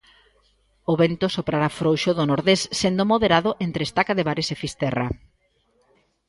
O vento soprará frouxo do nordés, sendo moderado entre Estaca de Bares e Fisterra.